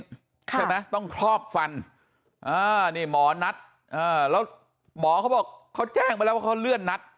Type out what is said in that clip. ใช่ไหมต้องคอกปฟันนี่หมอนัฐแล้วหมอเขาแจ้งมาแล้วว่าเขาเลื่อนนัฐ